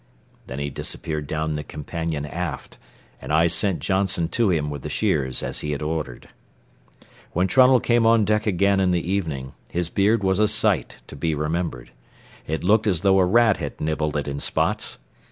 Then he disappeared down the companion aft, and I sent Johnson to him with the shears as he had ordered. When Trunnell came on deck again in the evening, his beard was a sight to be remembered. It looked as though a rat had nibbled it in spots.